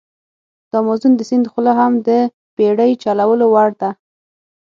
د امازون د سیند خوله هم د بېړی چلولو وړ ده.